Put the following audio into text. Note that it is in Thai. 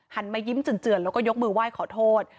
มายิ้มเจือนแล้วก็ยกมือไหว้ขอโทษ